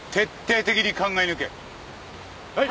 はい。